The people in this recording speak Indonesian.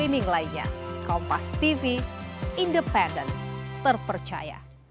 jemaah allah s w t yang dimuliakan oleh allah s w t